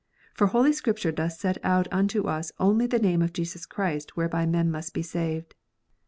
Eor Holy Scripture doth set out unto us only the name of Jesus Christ whereby men must be saved."